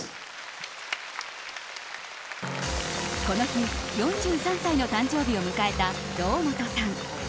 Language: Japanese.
この日、４３歳の誕生日を迎えた堂本さん。